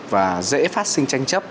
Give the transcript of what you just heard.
và dễ phát sinh tranh chấp